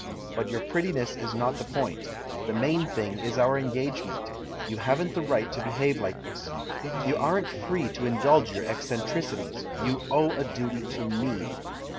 But your prettiness is not the point; the main thing is our engagement — you haven't the right to behave like this, you aren't free to indulge your eccentricities, you owe a duty to ]Me."